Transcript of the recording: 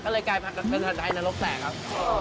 ก็เลยกลายเป็นฮันไดนรกแตกครับ